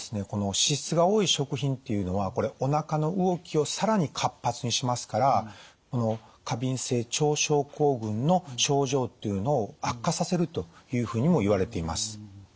この脂質が多い食品っていうのはこれおなかの動きを更に活発にしますから過敏性腸症候群の症状っていうのを悪化させるというふうにもいわれています。